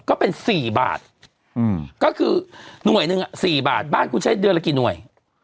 ก็เป็น๔บาทก็คือหน่วยหนึ่ง๔บาทบ้านคุณใช้เดือนละกี่หน่วย